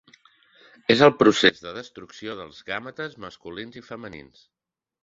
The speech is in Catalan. És el procés de destrucció dels gàmetes masculins i femenins.